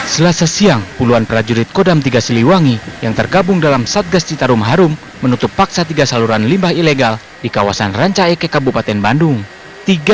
selasa siang puluhan prajurit kodam tiga siliwangi yang tergabung dalam satgas citarum harum menutup paksa tiga saluran limbah ilegal di kawasan ranca ekek kabupaten bandung